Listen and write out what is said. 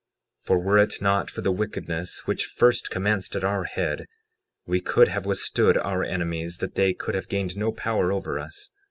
60:15 For were it not for the wickedness which first commenced at our head, we could have withstood our enemies that they could have gained no power over us.